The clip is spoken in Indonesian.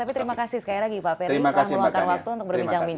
tapi terima kasih sekali lagi pak ferry